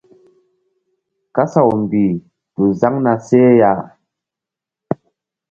Kasaw mbih tu zaŋ na seh ya.